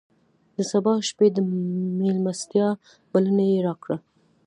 د سبا شپې د مېلمستیا بلنه یې راکړه.